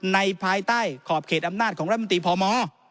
ภายใต้ขอบเขตอำนาจของรัฐมนตรีพม